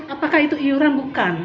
apakah itu iuran bukan